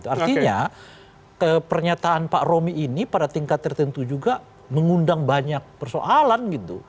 artinya pernyataan pak romi ini pada tingkat tertentu juga mengundang banyak persoalan gitu